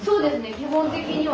基本的には。